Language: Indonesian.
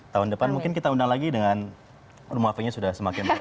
tahun depan mungkin kita undang lagi dengan rumah fai nya sudah semakin